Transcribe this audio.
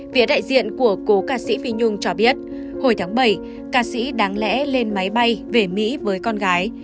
phía đại diện của cố ca sĩ phi nhung cho biết hồi tháng bảy ca sĩ đáng lẽ lên máy bay về mỹ với con gái